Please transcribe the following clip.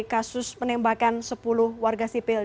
kasus penembakan sepuluh warga sipil